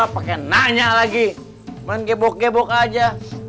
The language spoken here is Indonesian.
pakai nanya lagi main gebok gebok aja